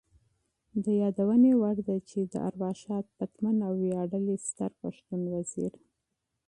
د یادونې وړ ده چې د ارواښاد پتمن او ویاړلي ستر پښتون وزیر